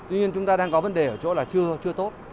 tuy nhiên chúng ta đang có vấn đề ở chỗ là chưa tốt